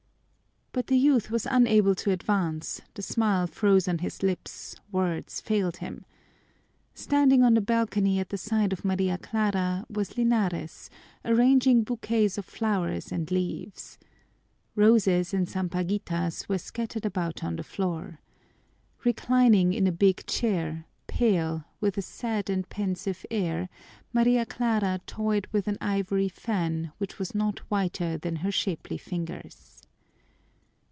But the youth was unable to advance, the smile froze on his lips, words failed him. Standing on the balcony at the side of Maria Clara was Linares, arranging bouquets of flowers and leaves. Roses and sampaguitas were scattered about on the floor. Reclining in a big chair, pale, with a sad and pensive air, Maria Clara toyed with an ivory fan which was not whiter than her shapely fingers.